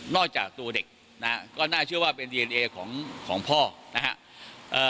จากตัวเด็กนะฮะก็น่าเชื่อว่าเป็นดีเอนเอของของพ่อนะฮะเอ่อ